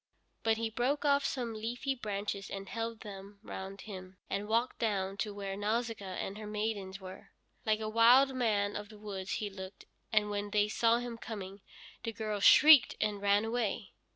But he broke off some leafy branches and held them round him, and walked down to where Nausicaa and her maidens were. Like a wild man of the woods he looked, and when they saw him coming the girls shrieked and ran away.